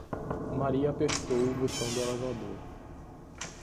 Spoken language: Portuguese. Maria apertou o botão do elevador.